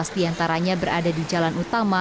lima belas di antaranya berada di jalan utama